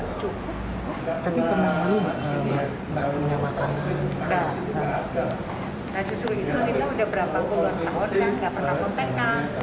nah justru itu kita udah berapa puluh tahun ya gak pernah konten kan